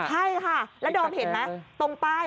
ใช่ค่ะแล้วดอมเห็นไหม